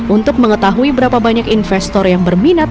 untuk mengetahui berapa banyak investor yang berminat